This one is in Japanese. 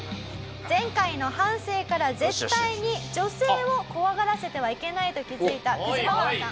前回の反省から絶対に女性を怖がらせてはいけないと気づいたクジマガワさん。